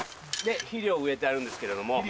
で肥料を植えてやるんですけれども。